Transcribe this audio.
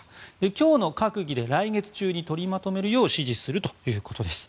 今日の閣議で来月中に取りまとめるよう指示するということです。